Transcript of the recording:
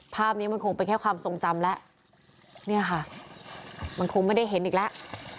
ภาพนี้มันคงเป็นแค่ความทรงจำแล้วเนี่ยค่ะมันคงไม่ได้เห็นอีกแล้ว